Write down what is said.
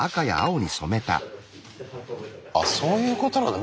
あそういうことなんだ。